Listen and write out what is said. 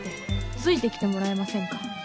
ついてきてもらえませんか？